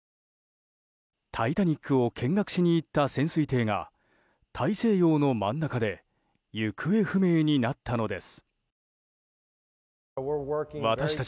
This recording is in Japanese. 「タイタニック」を見学しに行った潜水艇が大西洋の真ん中で行方不明になったのです。